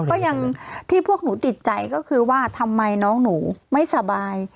ก็ยังที่พวกหนูติดใจก็คือว่าทำไมน้องหนูไม่สบาย